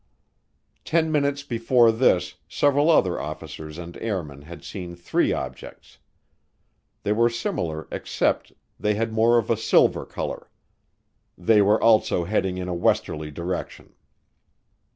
Ten minutes before this several other officers and airmen had seen three objects. They were similar except they had more of a silver color. They were also heading in a westerly direction.